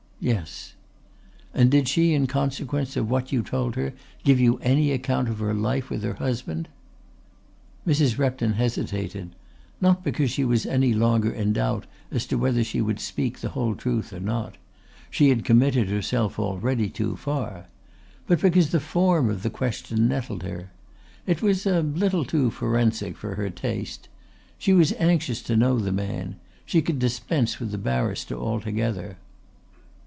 "Yes." "And did she in consequence of what you told her give you any account of her life with her husband?" Mrs. Repton hesitated not because she was any longer in doubt as to whether she would speak the whole truth or not she had committed herself already too far but because the form of the question nettled her. It was a little too forensic for her taste. She was anxious to know the man; she could dispense with the barrister altogether.